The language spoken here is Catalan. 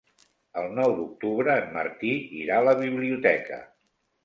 El nou d'octubre en Martí irà a la biblioteca.